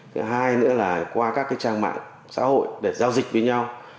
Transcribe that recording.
thứ hai nữa là qua các trang mạng xã hội để giao dịch với nhau